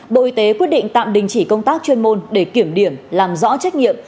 bộ y tế quyết định tạm đình chỉ công tác chuyên môn để kiểm điểm làm rõ trách nhiệm